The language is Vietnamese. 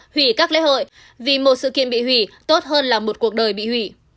hủy các lễ hội vì một sự kiện bị hủy tốt hơn là một cuộc đời bị hủy